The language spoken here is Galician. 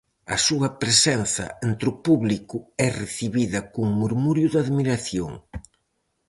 A súa presenza entre o público, é recibida cun murmurio de admiración.